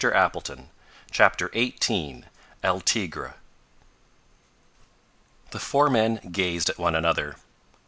snapped Tom. CHAPTER XVIII "EL TIGRE!" The four men gazed at one another.